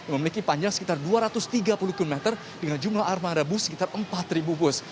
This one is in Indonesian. memiliki panjang sekitar dua ratus tiga puluh km dengan jumlah armada bus sekitar empat bus